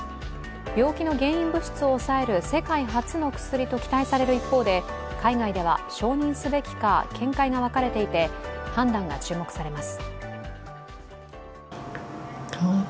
病気の原因物質を抑える世界初の薬と期待される一方で、海外では承認すべきか見解が分かれていて判断が注目されます。